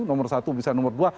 nomor satu bisa nomor dua